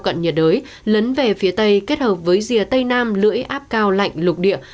cận nhiệt đới lấn về phía tây kết hợp với rìa tây nam lưỡi áp cao lạnh lục địa